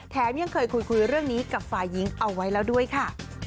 ยังเคยคุยเรื่องนี้กับฝ่ายิงเอาไว้แล้วด้วยค่ะ